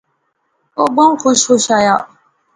او بہوں خوش خوش آیا